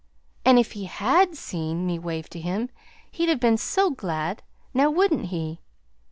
"And if he HAD seen me wave to him, he'd have been so glad; now, wouldn't he?"